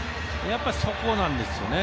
やっぱりそこなんですよね。